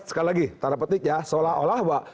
sekali lagi tanda petik ya seolah olah